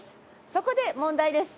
そこで問題です。